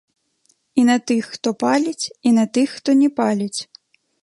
І на тых, хто паліць, і на тых, хто не паліць.